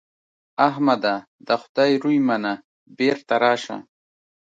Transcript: احمده! د خدای روی منه؛ بېرته راشه.